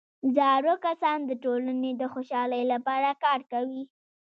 زاړه کسان د ټولنې د خوشحالۍ لپاره کار کوي